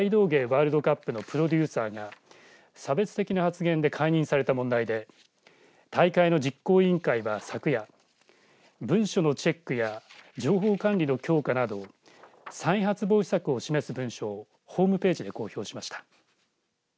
ワールドカップのプロデューサーが差別的な発言で解任された問題で大会の実行委員会は昨夜文書のチェックや情報管理の強化など再発防止策を示す文書をホームページで公表しました。